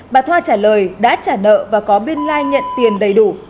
bà thoa trả lời đã trả nợ và có biên lai nhận tiền đầy đủ